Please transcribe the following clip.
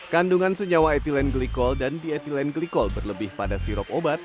kandungan senyawa etilen glikol dan dietilen glikol berlebih pada sirop obat